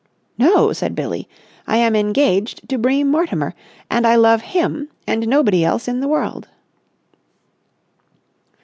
"No!" said Billie. "I am engaged to Bream Mortimer, and I love him and nobody else in the world!"